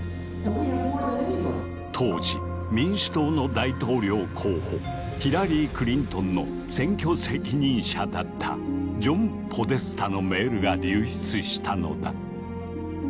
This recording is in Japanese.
当時民主党の大統領候補ヒラリー・クリントンの選挙責任者だったジョン・ポデスタのメールが流出したのだ。